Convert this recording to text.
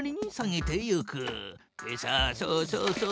さあそうそうそう。